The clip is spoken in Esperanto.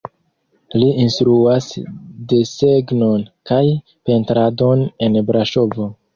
Li instruas desegnon kaj pentradon en Braŝovo.